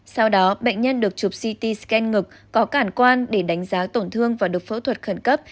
sau đó bệnh nhân được chụp ct scan ngực có cảm quan để đánh giá tổn thương và được phẫu thuật khẩn cấp